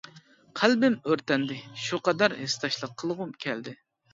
قەلبىم ئۆرتەندى. شۇ قەدەر ھېسداشلىق قىلغۇم كەلدى.